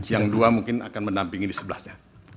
yang dua mungkin akan mendampingi di sebelahnya